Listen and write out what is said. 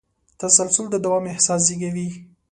تسلسل د دوام احساس زېږوي.